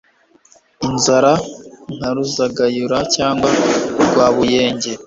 inzara nka Ruzagayura cyangwa Rwabuyenge